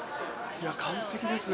完璧ですね。